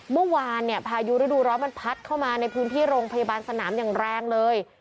เมื่อวานเนี่ยพายุฤดูร้อนมันพัดเข้ามาในพื้นที่โรงพยาบาลสนามอย่างแรงเลย